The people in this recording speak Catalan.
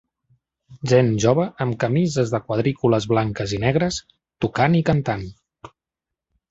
Gent jove amb camises de quadrícules blanques i negres, tocant i cantant.